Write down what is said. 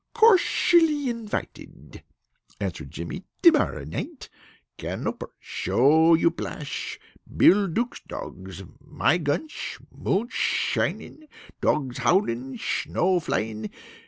"Corshally invited," answered Jimmy. "To morrow night. Canoper. Show you plashe. Bill Duke's dogs. My gunsh. Moonsh shinin'. Dogs howlin'. Shnow flying!